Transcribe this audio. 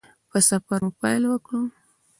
په سفر مو پیل وکړ.